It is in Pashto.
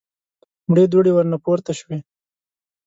مړې دوړې ورنه پورته شوې.